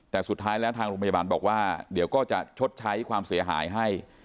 แต่สุดท้ายแล้วทางโรงพยาบาลบอกว่าเดี๋ยวก็จะชดใช้ความเสียหายให้